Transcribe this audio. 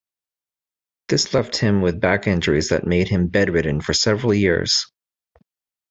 This left him with back injuries that made him bedridden for several years.